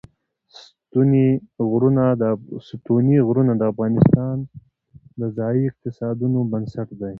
ستوني غرونه د افغانستان د ځایي اقتصادونو بنسټ دی.